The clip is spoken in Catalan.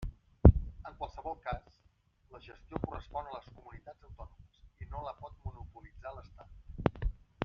En qualsevol cas, la gestió correspon a les comunitats autònomes i no la pot monopolitzar l'Estat.